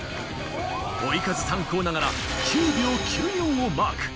追い風参考ながら９秒９４をマーク。